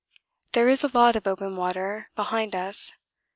There is a lot of open water behind us.